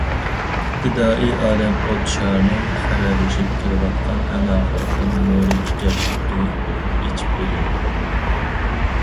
ئىپتىدائىي ئالەم ئوت شارىنىڭ خىرەلىشىپ كېتىۋاتقان ئەڭ ئاخىرقى نۇرى ئىكەنلىكى ئېچىپ بېرىلدى.